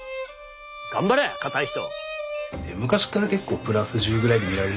頑張れ硬い人！